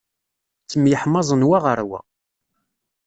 Ttemyeḥmaẓen wa ɣer wa.